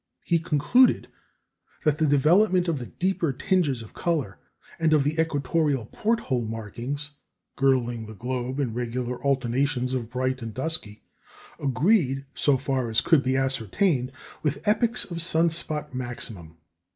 He concluded that the development of the deeper tinges of colour, and of the equatorial "port hole" markings girdling the globe in regular alternations of bright and dusky, agreed, so far as could be ascertained, with epochs of sun spot maximum.